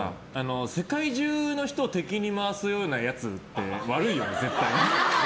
世界中の人を敵に回すようなやつって悪いよね、絶対ね。